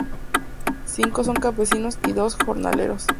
Cinco son campesinos y dos, jornaleros.